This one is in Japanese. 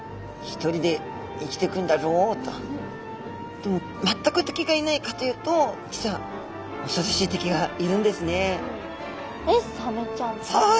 でも全く敵がいないかというと実は恐ろしい敵がいるんですね。